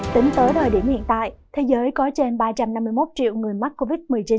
tính tới thời điểm hiện tại thế giới có trên ba trăm năm mươi một triệu người mắc covid một mươi chín